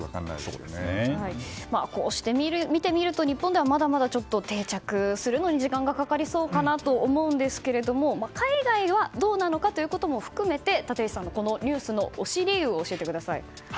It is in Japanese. こうして見てみると日本では、まだまだ定着するのに時間がかかりそうかなと思うんですが海外はどうなのかということを含め立石さんのニュースの推し理由を教えてください。